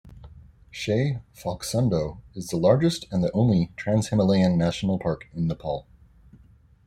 Shey Phoksundo is the largest and the only trans-Himalayan National Park in Nepal.